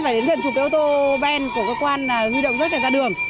và rất phải đến gần chụp cái ô tô ben của cơ quan huy động rất là ra đường